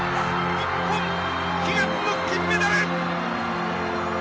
日本悲願の金メダル！